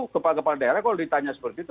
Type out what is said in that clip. kepala kepala daerah kalau ditanya seperti itu